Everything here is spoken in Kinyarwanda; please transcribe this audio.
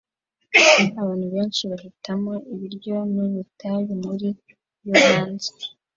Abantu benshi bahitamo ibiryo nubutayu muri bffet yo hanze